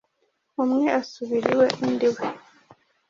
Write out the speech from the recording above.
umwe asubira iwe undi iwe